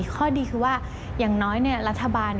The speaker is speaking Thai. ข้อดีคือว่าอย่างน้อยรัฐบาล